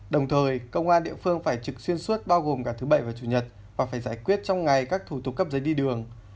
đồng thời công an địa phương phải trực xuyên suốt bao gồm cả thứ bảy và chủ nhật và phải giải quyết trong ngày các thủ tục cấp giấy đi đường